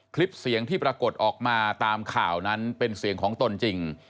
คลิปเสียงที่ปรากฏออกมาตามข่าวนั้นเป็นเสียงของตนจริง